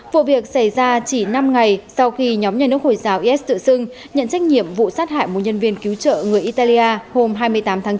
vụ việc xảy ra chỉ năm ngày sau khi nhóm nhà nước hồi giáo is tự xưng nhận trách nhiệm vụ sát hại một nhân viên cứu trợ người italia hôm hai mươi tám tháng bốn